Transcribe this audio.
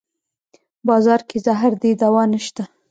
بازار کې زهر دی دوانشته